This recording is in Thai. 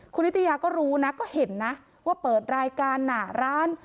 คุณนิตยาก็รู้นะก็เห็นนะว่าเปิดรายการหนาร้าน